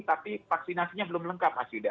tapi vaksinasinya belum lengkap mas yuda